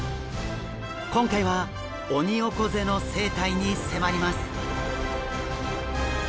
今回はオニオコゼの生態に迫ります。